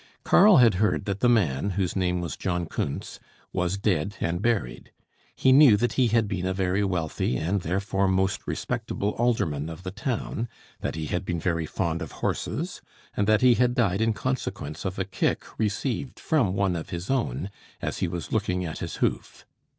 Karl had heard that the man, whose name was John Kuntz, was dead and buried. He knew that he had been a very wealthy, and therefore most respectable, alderman of the town; that he had been very fond of horses; and that he had died in consequence of a kick received from one of his own, as he was looking at his hoof.